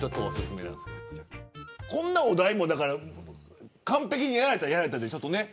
こんなお題も完璧にやられたら、ちょっとね。